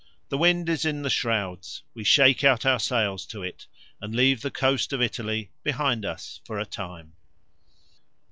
The wind is in the shrouds: we shake out our sails to it, and leave the coast of Italy behind us for a time.